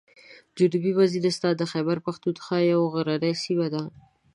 جنوبي وزیرستان د خیبر پښتونخوا یوه غرنۍ سیمه ده.